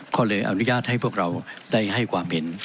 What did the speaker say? ก็เลยอนุญาตให้พวกเราได้ให้ความเห็น